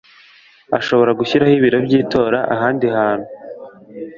ashobora gushyira ibiro by itora ahandi hantu